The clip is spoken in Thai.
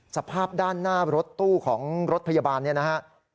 สภาพด้านหน้ารถตู้ของรถพยาบาลเนี่ยนะฮะ